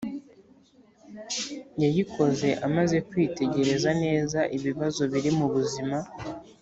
yayikoze amaze kwitegereza neza ibibazo biri mu buzima